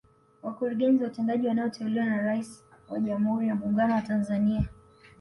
Wakurugenzi watendaji wanaoteuliwa na Rais wa Jamhuri ya Muungano wa Tanzania